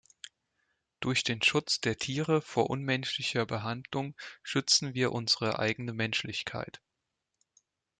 Durch den Schutz der Tiere vor unmenschlicher Behandlung schützen wir unsere eigene Menschlichkeit.